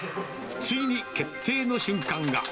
ついに決定の瞬間が。